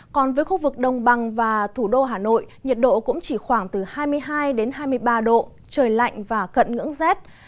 còn với khu vực đông bằng và thủ đô hà nội nhiệt độ cũng chỉ khoảng từ hai mươi hai hai mươi ba độ trời lạnh và cận ngưỡng rét